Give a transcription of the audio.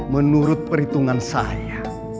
menurut perhitungan saya